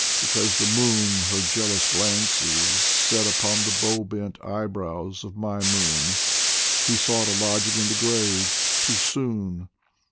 Because the moon her jealous glances set Upon the bow bent eyebrows of my moon, He sought a lodging in the grave too soon